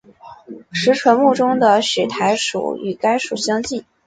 石莼目中的浒苔属与该属相近。